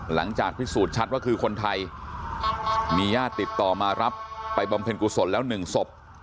หลังจากพิสูจน์ชัดว่าคือคนไทยมีญาติติดต่อมารับไปบำเพ็ญกุศลแล้วหนึ่งศพ